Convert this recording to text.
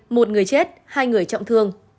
một người chết hai người trọng thương